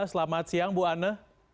selamat siang bu ane